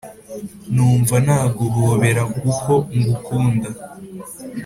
numva naguhobera guko ngukunda